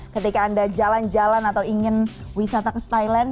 ketika anda jalan jalan atau ingin wisata ke thailand